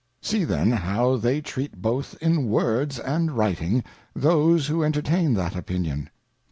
See then, how they treat both in Words and Writing, those who entertain that Opinion.